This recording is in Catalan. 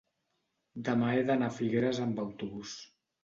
demà he d'anar a Figueres amb autobús.